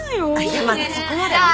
いやまだそこまでは。